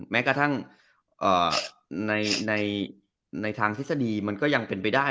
แม้กระทั่งในทางทฤษฎีมันก็ยังเป็นไปได้